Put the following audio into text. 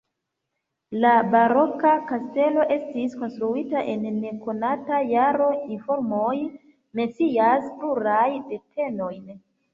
La baroka kastelo estis konstruita en nekonata jaro, informoj mencias plurajn datenojn.